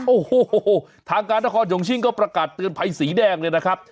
โอ้โหทางการนครยงชิงก็ประกาศเตือนภัยสีแดงเลยนะครับ